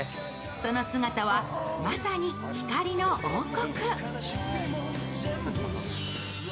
その姿はまさに光の王国。